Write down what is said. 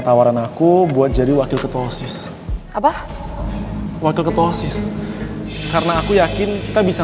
tawaran aku buat jadi wakil ketua osis apa wakil ketua osis karena aku yakin kita bisa